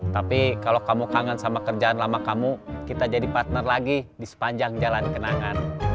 tapi kalau kamu kangen sama kerjaan lama kamu kita jadi partner lagi di sepanjang jalan kenangan